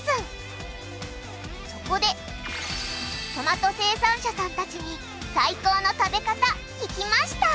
そこでトマト生産者さんたちに最高の食べ方聞きました。